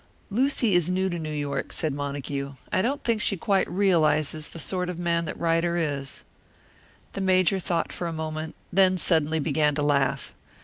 "Lucy is new to New York," said Montague. "I don't think she quite realises the sort of man that Ryder is." The Major thought for a moment, then suddenly began to laugh.